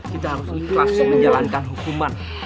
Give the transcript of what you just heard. kita harus ikhlas menjalankan hukuman